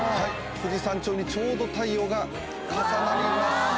富士山頂にちょうど太陽が重なります。